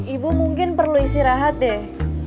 ibu mungkin perlu istirahat deh